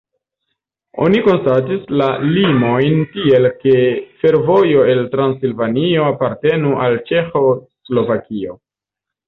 Oni konstatis la limojn tiel, ke fervojo el Transilvanio apartenu al Ĉeĥoslovakio.